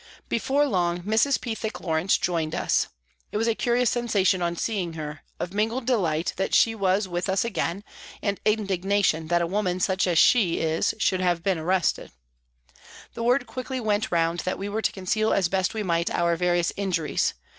Before long Mrs. Pethick Lawrence joined us. It was a curious sensation on seeing her, of mingled P. E 50 PRISONS AND PRISONERS delight that she was with us again, and indignation that a woman such as she is should have been arrested. The word quickly went round that we were to conceal as best we might our various injuries.